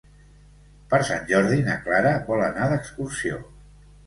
Per Sant Jordi na Clara vol anar d'excursió.